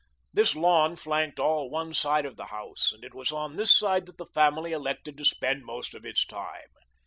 This lawn flanked all one side of the house, and it was on this side that the family elected to spend most of its time.